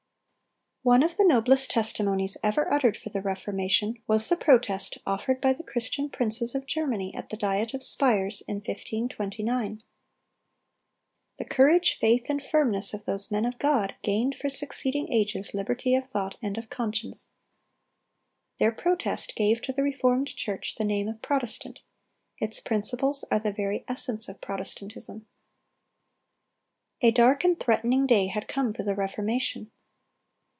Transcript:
] One of the noblest testimonies ever uttered for the Reformation, was the Protest offered by the Christian princes of Germany at the Diet of Spires in 1529. The courage, faith, and firmness of those men of God, gained for succeeding ages liberty of thought and of conscience. Their Protest gave to the reformed church the name of Protestant; its principles are "the very essence of Protestantism."(283) A dark and threatening day had come for the Reformation.